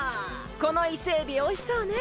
このイセエビおいしそうね！